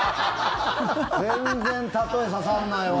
全然例え刺さんないわ。